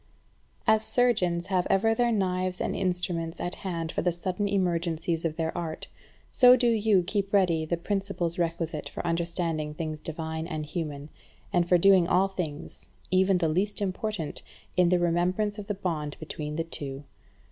13. As surgeons have ever their knives and instruments at hand for the sudden emergencies of their art, so do you keep ready the principles requisite for understanding things divine and human, and for doing all things, even the least important, in the remembrance of the bond between the two.